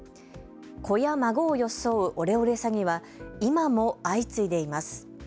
子や孫を装うオレオレ詐欺は今も相次いでいます。